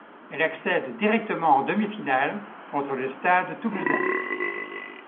Elle accède directement en demi-finale contre le Stade toulousain.